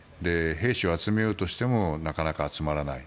兵士を集めようとしてもなかなか集まらない。